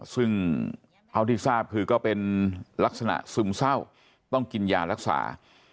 ซึ่งเท่าที่ทราบคือก็เป็นลักษณะซึมเศร้าต้องกินยารักษา